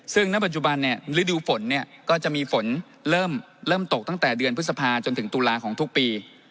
ซึ่งณปัจจุบันฤดูฝนเนี่ยก็จะมีฝนเริ่มตกตั้งแต่เดือนพฤษภาจนถึงตุลาของทุกปี